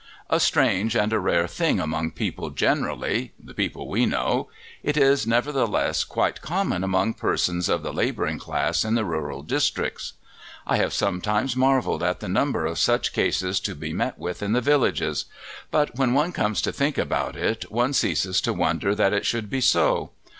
A strange and a rare thing among people generally (the people we know), it is nevertheless quite common among persons of the labouring class in the rural districts. I have sometimes marvelled at the number of such cases to be met with in the villages; but when one comes to think about it one ceases to wonder that it should be so.